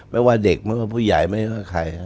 ไม่ว่าเด็กไม่ว่าผู้ใหญ่ไม่ว่าใคร